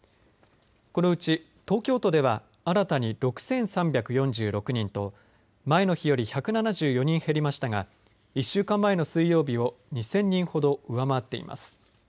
このうち東京都では新たに６３４６人と前の日より１７４人減りましたが１週間前の水曜日を２０００人ほど上回っています。